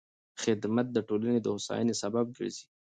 خدمت د ټولنې د هوساینې سبب ګرځي.